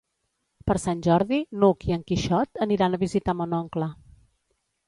Per Sant Jordi n'Hug i en Quixot aniran a visitar mon oncle.